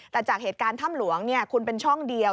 แต่จากเหตุการณ์ถ้ำหลวงคุณเป็นช่องเดียว